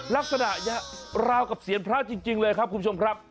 ลักษณะราวกับเซียนพระจริงเลยครับคุณผู้ชมครับ